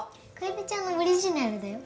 楓ちゃんのオリジナルだよ。